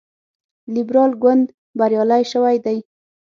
لیبرال ګوند بریالی شوی دی.